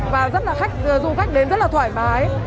và rất là khách du khách đến rất là thoải mái